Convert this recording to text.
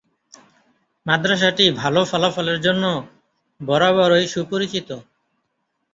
মাদ্রাসাটি ভালো ফলাফলের জন্য বরাবরই সুপরিচিত।